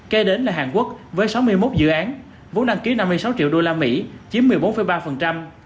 kê đến là hàn quốc với sáu mươi một dự án vốn đăng ký năm mươi sáu triệu đô la mỹ chiếm một mươi bốn ba